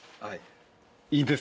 はい。